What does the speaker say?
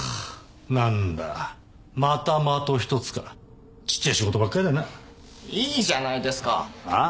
なんだまた的１つか小っちゃい仕事ばっかりだないいじゃないですかあぁ？